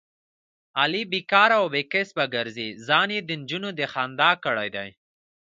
علي بیکاره او بې کسبه ګرځي، ځان یې دنجونو د خندا کړی دی.